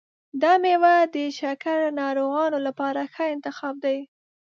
دا میوه د شکرې ناروغانو لپاره ښه انتخاب دی.